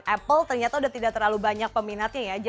apple ternyata udah tidak terlalu banyak peminatnya ya